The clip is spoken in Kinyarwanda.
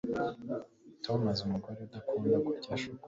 Tom azi umugore udakunda kurya shokora